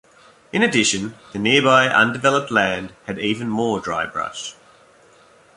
In addition, the nearby undeveloped land had even more dry brush.